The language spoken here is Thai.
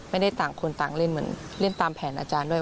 ไม่ได้ต่างคนต่างเล่นเหมือนเล่นตามแผนอาจารย์ด้วย